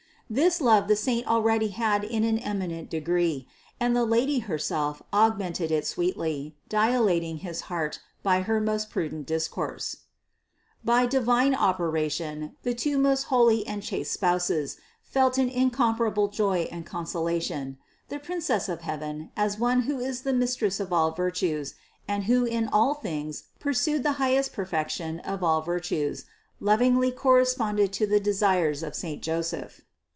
This love the saint already had in an eminent degree, and the Lady herself augmented it sweetly, dilating his heart by her most prudent discourse. 764. By divine operation the two most holy and chaste Spouses felt an incomparable joy and consolation. The heavenly Princess, as one who is the Mistress of all virtues and who in all things pursued the highest per fection of all virtues, lovingly corresponded to the de sires of saint Joseph.